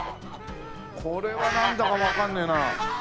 これはなんだかわかんねえな。